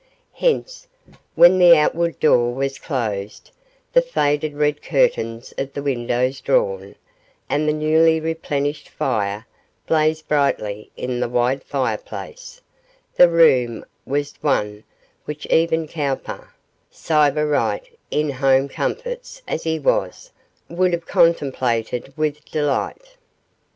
Hence, when the outward door was closed, the faded red curtains of the window drawn, and the newly replenished fire blazed brightly in the wide fireplace, the room was one which even Cowper sybarite in home comforts as he was would have contemplated with delight.